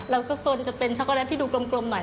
เราก็ควรจะเป็นช็อกโกแลตที่ดูกลมหน่อย